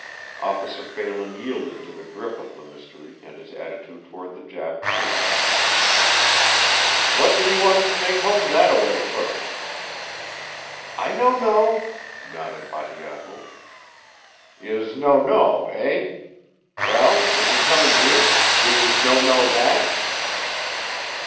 Officer Phelan yielded to the grip of the mystery and his attitude toward the Jap changed. "What did he want to snake home that away fer?" "I no know," nodded Bateato. "Yez no know, eh? Well, is he comin' here? do yez no know that?"